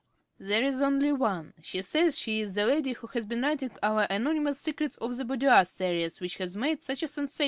~Jones.~ There is only one. She says she's the lady who has been writing our anonymous "Secrets of the Boudoir" series which has made such a sensation.